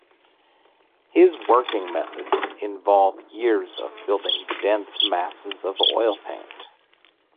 His working methods involve years of building dense masses of oil paint.